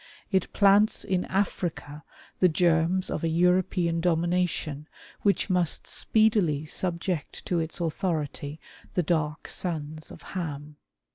It plants in Africa the germs of a European domin ation, which must speedily subject to its authority the dark sons of Ham.